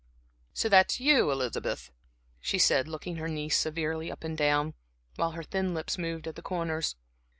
"So that's you, Elizabeth," she said, looking her niece severely up and down, while her thin lips moved at the corners.